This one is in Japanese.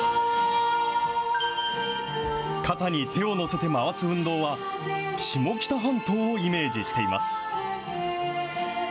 肩に手をのせて回す運動は、下北半島をイメージしています。